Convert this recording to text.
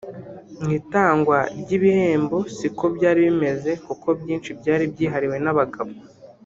mu itangwa ry’ibihembo siko byari bimeze kuko byinshi byari byihariwe n’abagabo